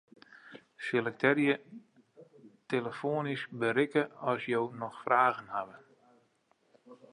Selektearje 'telefoanysk berikke as jo noch fragen hawwe'.